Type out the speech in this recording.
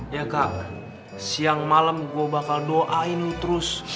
ya kak siang malem gua bakal doain lu terus